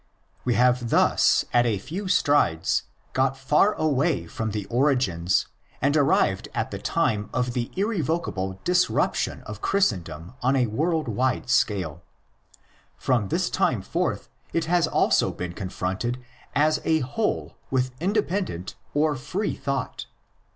We have thus at a few strides got far away from the origins and arrived at the time of the irrevocable dis ruption of Christendom on a world wide scale. From this time forth it has also been confronted as a whole with independent or free thought.